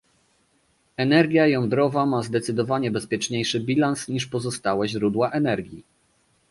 Energia jądrowa ma zdecydowanie bezpieczniejszy bilans niż pozostałe źródła energii